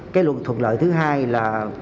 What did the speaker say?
cái luật thuận lợi thứ hai là